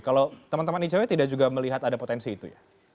kalau teman teman icw tidak juga melihat ada potensi itu ya